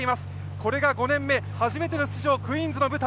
これが５年目、初めての出場、クイーンズの舞台。